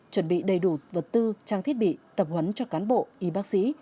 chuẩn bị đầy đủ vật tư trang thiết bị tập huấn cho cán bộ y bác sĩ